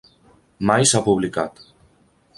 Mai s'ha publicat.